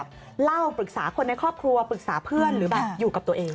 เล่าปรึกษาคนในครอบครัวปรึกษาเพื่อนหรือแบบอยู่กับตัวเอง